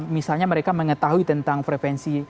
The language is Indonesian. misalnya mereka mengetahui tentang frevensi